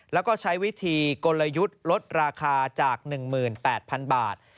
แล้วก็ใช้วิธีกลยุทธ์ลดราคาจาก๑๘๐๐๐บาท